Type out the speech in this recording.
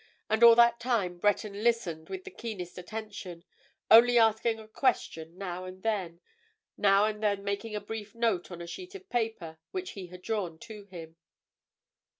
And all that time Breton listened with the keenest attention, only asking a question now and then; now and then making a brief note on a sheet of paper which he had drawn to him.